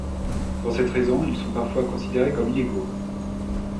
Pour cette raison, ils sont parfois considérés comme illégaux.